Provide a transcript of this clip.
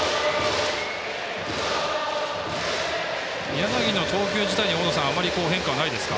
柳の投球自体にあまり変化はないですか？